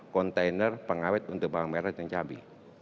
kontainer pengawet untuk bawang merah dan cabai